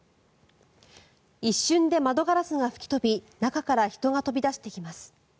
一瞬で窓ガラスが吹き飛び中から人が飛び出してきます。